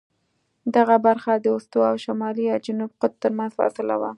دغه برخه د استوا او شمالي یا جنوبي قطب ترمنځ فاصله وه.